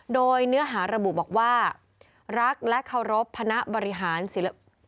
โดยเนื้อหาระบุบอกว่ารักและเคารพคณะบริหารศิลปะ